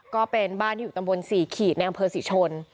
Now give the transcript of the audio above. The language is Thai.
ก็เป็นบ้านที่อยู่ตำบล๔ขีดในอำเภอศรีชน